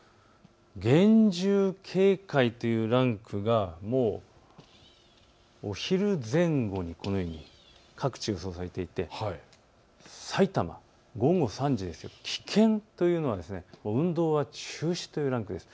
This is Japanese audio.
厳重警戒というランクがもうお昼前後、各地予想されていてさいたま午後３時、危険というのは運動は中止というランクです。